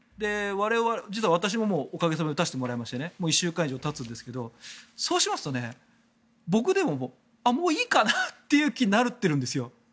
実は私もおかげさまで打たせてもらいまして１週間以上たつんですけどそうしますと、僕でもあ、もういいかなっていう気になっているんですよ。